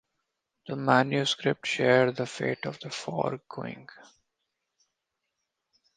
This manuscript shared the fate of the foregoing.